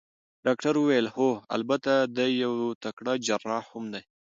ډاکټر وویل: هو، البته دی یو تکړه جراح هم دی.